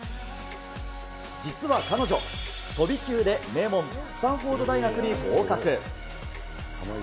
実は彼女、飛び級で名門、スタンフォード大学に合格。